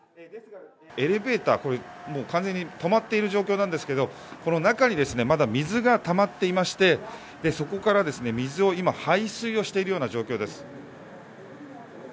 エレベーター、これ、もう完全に止まっている状況なんですけど、この中にまだ水がたまっていまして、そこから、水を今、排水をしているような状況です。